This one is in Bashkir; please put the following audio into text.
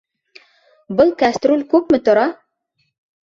Был кәстрүл күпме тора?